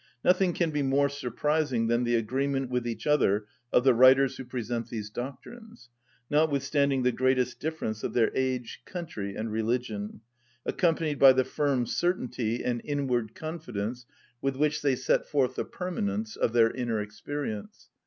Nothing can be more surprising than the agreement with each other of the writers who present these doctrines, notwithstanding the greatest difference of their age, country, and religion, accompanied by the firm certainty and inward confidence with which they set forth the permanence of their inner experience.